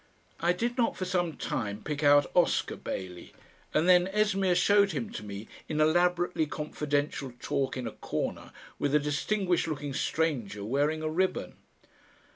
I did not for some time pick out Oscar Bailey, and then Esmeer showed him to me in elaborately confidential talk in a corner with a distinguished looking stranger wearing a ribbon.